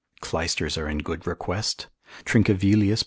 Clysters are in good request. Trincavelius lib.